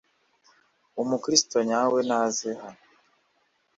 umukiristo nyawe naze hano